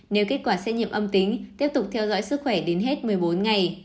nếu kết quả xét nghiệm âm tính tiếp tục theo dõi sức khỏe đến hết một mươi bốn ngày